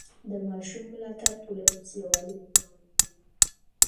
د ماشوم ملاتړ ټولنیز یووالی پیاوړی کوي.